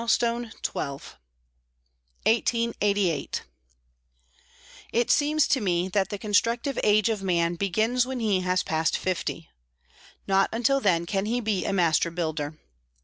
THE TWELFTH MILESTONE 1888 It seems to me that the constructive age of man begins when he has passed fifty. Not until then can he be a master builder.